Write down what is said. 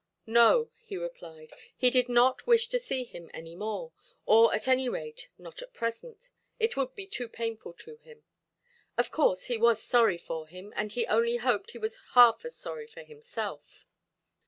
"No", he replied, "he did not wish to see him any more, or at any rate not at present; it would be too painful to him. Of course he was sorry for him, and only hoped he was half as sorry for himself".